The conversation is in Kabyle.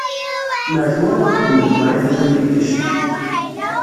Mer twalaḍ udem n Ḍrifa Tamlikect.